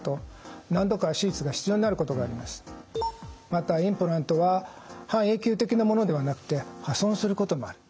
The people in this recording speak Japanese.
またインプラントは半永久的なものではなくて破損することもある。